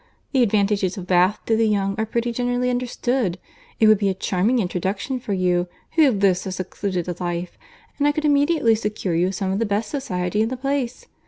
The advantages of Bath to the young are pretty generally understood. It would be a charming introduction for you, who have lived so secluded a life; and I could immediately secure you some of the best society in the place.